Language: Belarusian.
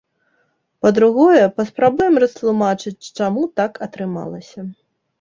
Па-другое, паспрабуем растлумачыць чаму так атрымалася.